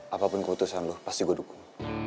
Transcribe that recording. apapun keputusan lo pasti gue dukung